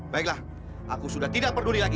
baiklah aku sudah tidak peduli lagi